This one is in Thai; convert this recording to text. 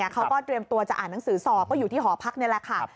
เขาก็เตรียมตัวจะอ่านหนังสือสอบก็อยู่ที่หอพักนี่แหละค่ะ